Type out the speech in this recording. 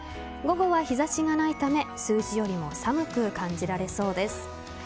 午後は日差しがないため数字よりも寒く感じられそうです。